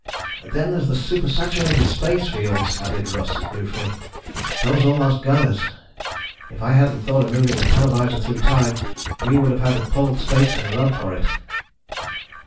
"Then there's the super saturated space fields," added Russ, ruefully. "Those almost got us. If I hadn't thought of moving the televisor through time, we would have had to pull stakes and run for it."